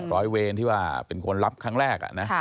ร้อยเวรที่ว่าเป็นคนรับครั้งแรกนะ